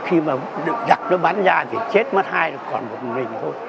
khi mà giặc nó bắn ra thì chết mất hai còn một mình thôi